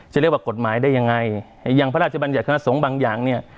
จะเรียกว่ากฎหมายได้ยังไงไอ้อย่างพระราชบัญญัติคณะสงฆ์บางอย่างเนี่ย